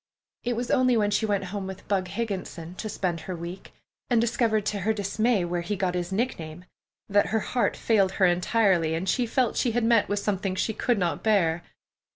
It was only when she went home with "Bug" Higginson, to spend her week, and discovered to her dismay where he got his nickname, that her heart failed her entirely, and she felt she had met with something she could not bear.